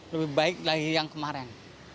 lebih baik lagi yang kemarin